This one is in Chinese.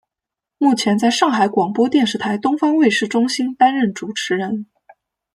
目前在上海广播电视台东方卫视中心担任主持人。